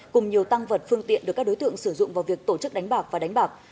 cùng nhiều tăng vật phương tiện được các đối tượng sử dụng vào việc tổ chức đánh bạc và đánh bạc